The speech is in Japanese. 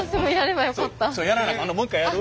もう一回やる？